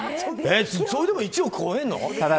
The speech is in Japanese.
それでも１億超えるの？